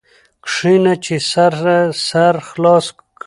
کښېنه چي سر سره خلاص کړ.